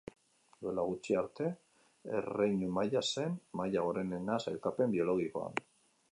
Duela gutxi arte erreinu maila zen maila gorenena sailkapen biologikoan.